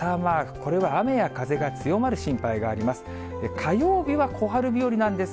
これは雨や風が強まる心配があります。